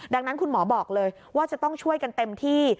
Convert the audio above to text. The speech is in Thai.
ดังนั้นคุณหมอบอกเลยว่าจะต้องช่วยกันเต็มที่